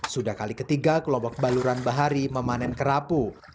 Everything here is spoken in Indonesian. sudah kali ketiga kelompok baluran bahari memanen kerapu